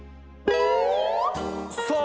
さあ